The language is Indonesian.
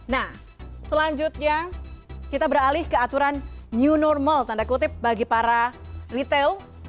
nah selanjutnya kita beralih ke aturan new normal tanda kutip bagi para retail